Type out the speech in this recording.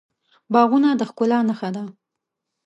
باغونه د ښکلا نښه ده.